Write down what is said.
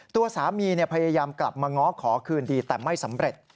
ตัวสามีพยายามกลับมาง้อขอคืนดีแต่ไม่สำเร็จ